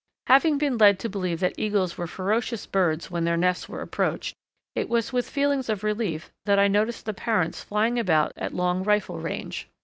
Having been led to believe that Eagles were ferocious birds when their nests were approached, it was with feelings of relief that I noticed the parents flying about at long rifle range.